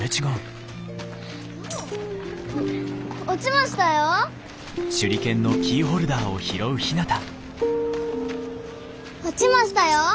落ちましたよ。